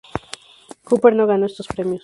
Cooper no ganó estos premios.